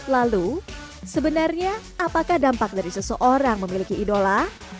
lalu sebenarnya apakah dampak dari seseorang memiliki idola